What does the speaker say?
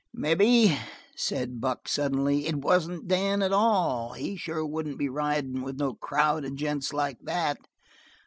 "Maybe," said Buck suddenly, "it wasn't Dan at all. He sure wouldn't be ridin' with no crowd of gents like that."